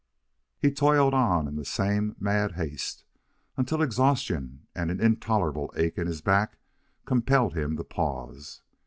He toiled on in the same mad haste, until exhaustion and an intolerable ache in his back compelled him to pause.